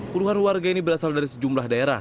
puluhan warga ini berasal dari sejumlah daerah